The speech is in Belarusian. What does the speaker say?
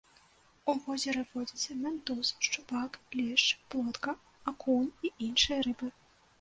У возеры водзяцца мянтуз, шчупак, лешч, плотка, акунь і іншыя рыбы.